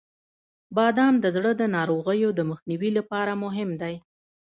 • بادام د زړه د ناروغیو د مخنیوي لپاره مهم دی.